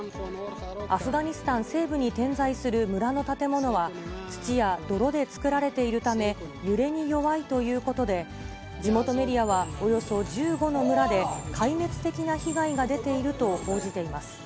アフガニスタン西部に点在する村の建物は、土や泥で作られているため、揺れに弱いということで、地元メディアはおよそ１５の村で壊滅的な被害が出ていると報じています。